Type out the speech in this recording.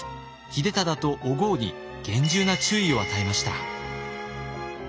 秀忠とお江に厳重な注意を与えました。